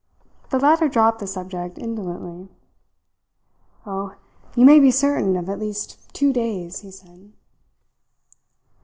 The latter dropped the subject indolently. "Oh, you may be certain of at least two days," he said.